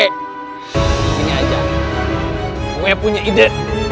pokoknya aja gue punya ide